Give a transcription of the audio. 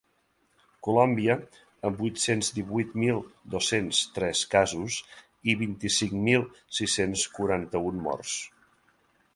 Colòmbia, amb vuit-cents divuit mil dos-cents tres casos i vint-i-cinc mil sis-cents quaranta-un morts.